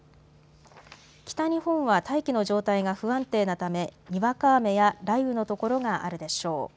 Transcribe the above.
北日本は大気の状態が不安定なため、にわか雨や雷雨の所があるでしょう。